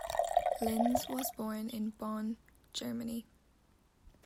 Linz was born in Bonn, Germany.